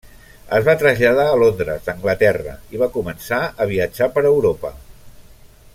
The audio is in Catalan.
Es va traslladar a Londres, Anglaterra, i va començar a viatjar per Europa.